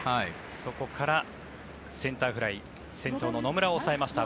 そこからセンターフライ先頭の野村を抑えました。